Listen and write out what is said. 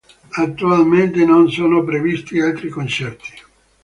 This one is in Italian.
Attualmente non sono previsti altri concerti.